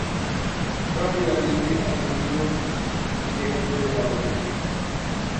Rápidamente ascendió a gerente de la bodega.